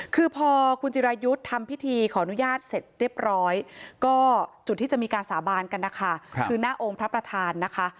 คือพอคุณจิรายุทธ์ทำพิธีขออนุญาตเสร็จเรียบร้อยก็จุดที่จะมีการสาบานกันนะคะคือหน้าองค์พระประธานนะคะ